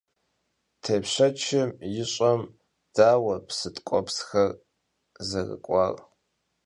Têpşeçım yi ş'em daue psı tk'uepsxer zerık'uar?